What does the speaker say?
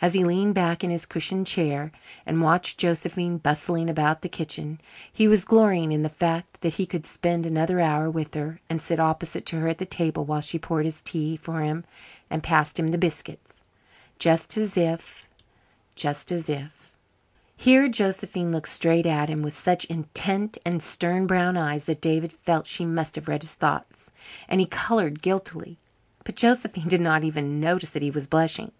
As he leaned back in his cushioned chair and watched Josephine bustling about the kitchen, he was glorying in the fact that he could spend another hour with her, and sit opposite to her at the table while she poured his tea for him and passed him the biscuits, just as if just as if Here Josephine looked straight at him with such intent and stern brown eyes that David felt she must have read his thoughts, and he colored guiltily. But Josephine did not even notice that he was blushing.